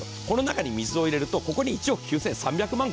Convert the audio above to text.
この中に水を入れるとここに１億９３００万個。